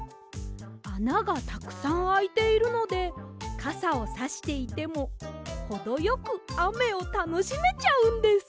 あながたくさんあいているのでかさをさしていてもほどよくあめをたのしめちゃうんです！